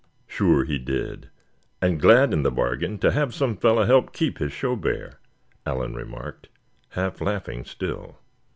"Sure he did, and glad in the bargain to have some fellow help keep his show bear," Allan remarked, half laughing still.